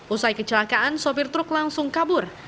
usai kecelakaan sopir truk langsung kabur